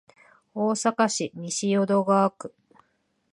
大阪市西淀川区